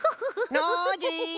ノージー！